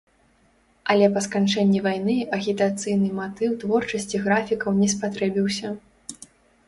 Але па сканчэнні вайны агітацыйны матыў творчасці графікаў не спатрэбіўся.